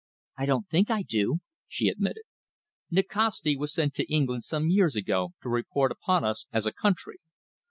"I don't think I do," she admitted. "Nikasti was sent to England some years ago to report upon us as a country.